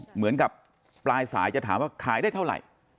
เหมือนกับปลายสายจะถามว่าขายได้เท่าไหร่